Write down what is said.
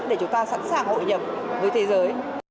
để chúng ta sẵn sàng hội nhập với thế giới